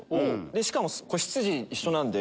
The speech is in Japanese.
しかも仔羊一緒なんで。